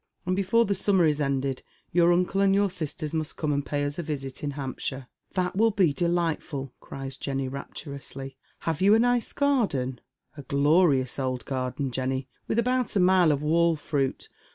And before the summer is ended your nnola and your sisters must come and pay us a visit in Hampshire." " That will be delightful 1 " cries Jenny, rapturously ;" HavA you a nice garden ?" "A glorious old garden, Jenny, with about a mile of wall fri^it.